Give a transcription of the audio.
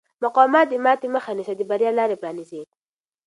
مقاومت د ماتې مخه نیسي او د بریا لارې پرانیزي.